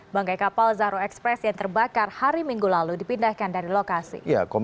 bangkai kapal zahro express yang terbakar hari minggu lalu dipindahkan dari lokasi